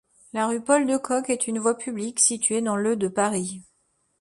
La rue Paul-de-Kock est une voie publique située dans le de Paris.